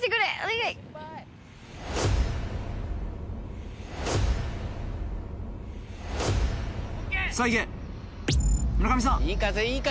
・いい風いい風！